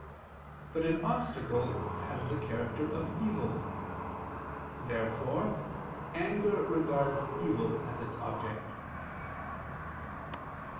But an obstacle has the character of evil. Therefore anger regards evil as its object.